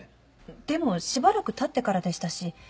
でもしばらくたってからでしたし。